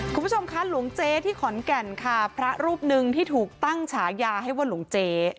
คุณผู้ชมคะหลวงเจ๊ที่ขอนแก่นค่ะพระรูปหนึ่งที่ถูกตั้งฉายาให้ว่าหลวงเจ๊